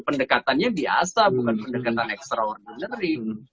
pendekatannya biasa bukan pendekatan extraordinary